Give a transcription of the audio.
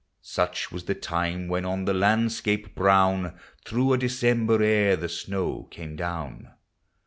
Such was the time when, on the landscape brown, Through a December air the snow came down.